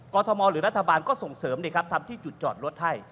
ทมหรือรัฐบาลก็ส่งเสริมทำที่จุดจอดรถให้